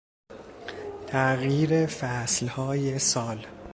تغییر فصلهای سال